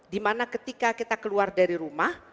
dimana ketika kita keluar dari rumah